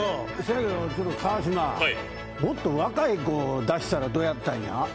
川島、もっと若い子出したらどやったんや？